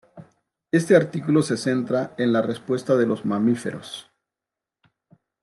Este artículo se centra en la respuesta de los mamíferos.